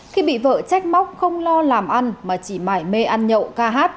khi bị vợ trách không lo làm ăn mà chỉ mải mê ăn nhậu ca hát